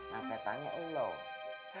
masa tanya elu